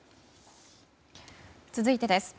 続いてです。